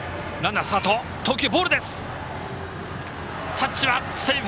タッチはセーフ。